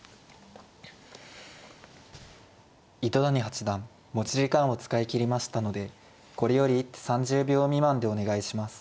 糸谷八段持ち時間を使い切りましたのでこれより一手３０秒未満でお願いします。